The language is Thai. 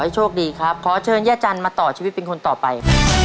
โชคดีครับขอเชิญย่าจันทร์มาต่อชีวิตเป็นคนต่อไป